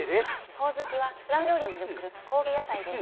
ホオズキはフランス料理などでも使われる高級野菜です。